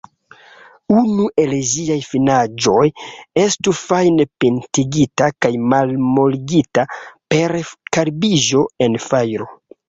Unu el ĝiaj finaĵoj estu fajne pintigita kaj malmoligita per karbiĝo en fajro.